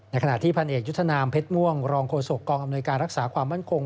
ขณะที่พันเอกยุทธนามเพชรม่วงรองโฆษกองอำนวยการรักษาความมั่นคง